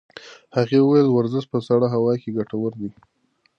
هغې وویل ورزش په سړه هوا کې ګټور دی.